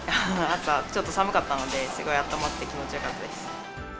朝、ちょっと寒かったので、すごいあったまって、気持ちよかったです。